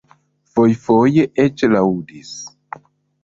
Fojfoje eĉ laŭdis.